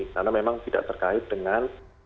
karena memang tidak terkait dengan